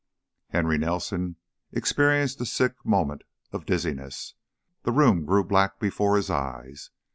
Henry Nelson experienced a sick moment of dizziness; the room grew black before his eyes.